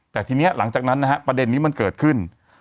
แต่ทีนี้หลังจากนั้นนะฮะประเด็นนี้มันเกิดขึ้น